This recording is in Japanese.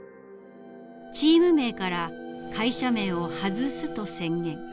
チーム名から会社名を外すと宣言。